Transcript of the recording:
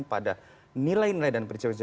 pada nilai nilai dan percaya percaya